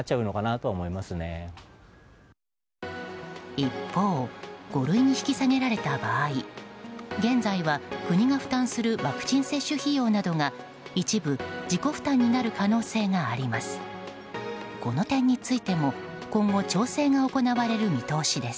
一方、五類に引き下げられた場合現在は、国が負担するワクチン接種費用などが一部自己負担になる可能性があります。